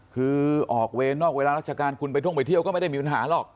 คือออกเวรนอกเวลาราชการคุณไปท่องไปเที่ยวก็ไม่ได้มีปัญหาหรอก